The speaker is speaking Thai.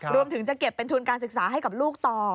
รวมถึงจะเก็บเป็นทุนการศึกษาให้กับลูกต่อ